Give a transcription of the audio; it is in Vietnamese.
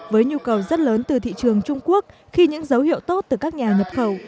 với nhu cầu rất lớn từ thị trường trung quốc khi những dấu hiệu tốt từ các nhà nhập khẩu